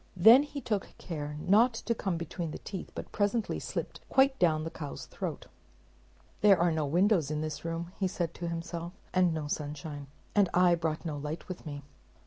Then he took care not to come between the teeth, but presently slipped quite down the cow's throat. "There are no windows in this room," said he to himself, "and no sunshine, and I brought no light with me."